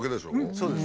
そうです。